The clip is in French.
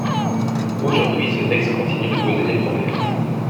Aujourd’hui, ce texte continue de poser des problèmes.